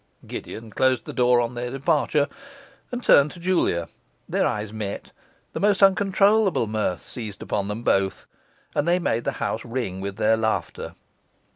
Gideon closed the door on their departure, and turned to Julia; their eyes met; the most uncontrollable mirth seized upon them both, and they made the house ring with their laughter.